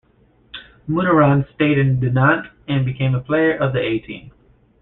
Munaron stayed in Dinant and became a player of the A-team.